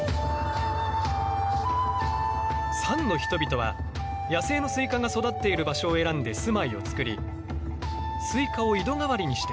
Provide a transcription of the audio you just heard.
サンの人々は野生のスイカが育っている場所を選んで住まいをつくりスイカを井戸代わりにして生活していた。